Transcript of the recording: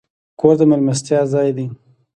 کور د میلمستیا ځای دی.